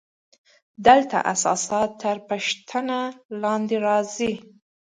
دلته اساسات تر پوښتنې لاندې راځي.